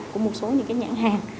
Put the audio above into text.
của một số những nhãn hàng